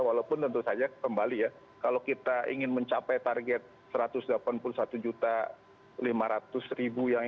walaupun tentu saja kembali ya kalau kita ingin mencapai target satu ratus delapan puluh satu lima ratus yang